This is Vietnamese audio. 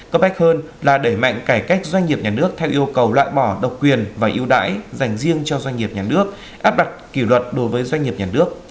cấp bách hơn là đẩy mạnh cải cách doanh nghiệp nhà nước theo yêu cầu loại bỏ độc quyền và yêu đãi dành riêng cho doanh nghiệp nhà nước áp đặt kỷ luật đối với doanh nghiệp nhà nước